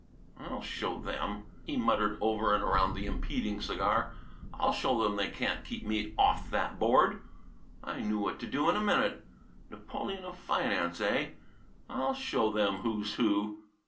"I'll show them," he muttered, over and around the impeding cigar. "I'll show them they can't keep me off that board. I knew what to do in a minute. Napoleon of Finance, eh? I'll show them who's who!"